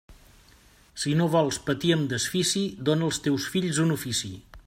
Si no vols patir amb desfici, dóna als teus fills un ofici.